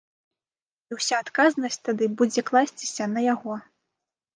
І ўся адказнасць тады будзе класціся на яго.